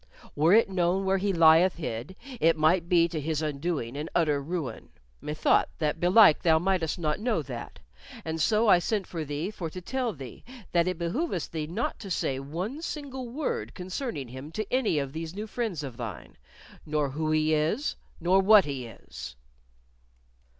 Were it known where he lieth hid, it might be to his undoing and utter ruin. Methought that belike thou mightest not know that; and so I sent for thee for to tell thee that it behoovest thee to say not one single word concerning him to any of these new friends of thine, nor who he is, nor what he is."